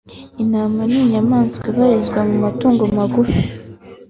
Intama ni inyamaswa ibarizwa mu matungo magufi